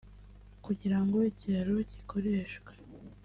kugira ngo ikiraro gikoreshwe